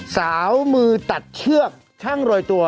สาวมือตัดเชือกช่างโรยตัว